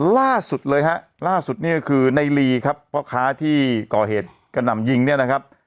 ล่าสุดเลยฮะล่าสุดนี่ก็คือในลีครับพ่อค้าที่ก่อเหตุกระหน่ำยิงเนี่ยนะครับ